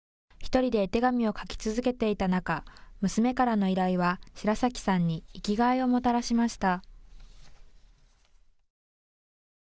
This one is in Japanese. １人で絵手紙を描き続けていた中、娘からの依頼は白崎さんに生きがいをもたらしました。